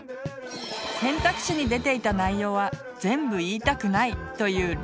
選択肢に出ていた内容は全部言いたくないというりんさん。